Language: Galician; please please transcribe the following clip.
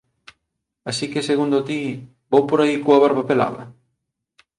Así que, segundo ti, vou por aí coa barba pelada?».